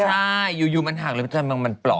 ใช่อยู่มันหักเลยมันปลอก